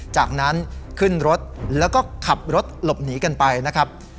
จากนั้นขึ้นรถแล้วก็ขับรถหลบหนีกันไปนะครับ